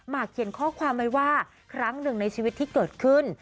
เขียนข้อความไว้ว่าครั้งหนึ่งในชีวิตที่เกิดขึ้น